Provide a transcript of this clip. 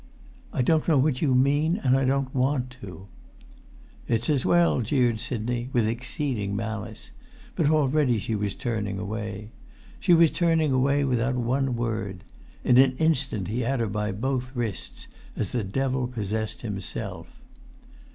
"I don't know what you mean, and I don't want to." "It's as well," jeered Sidney, with exceeding malice; but already she was turning away. She was turning away without one word. In an instant he had her by both wrists, as the devil possessed himself.